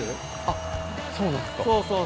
あっそうなんですか。